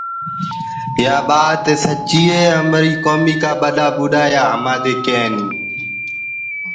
يآ ٻآت سچيٚ هي همريٚ ڪوميٚ ڪآ ٻڏآ ٻوٚڏآ همانٚدي ڪينيٚ۔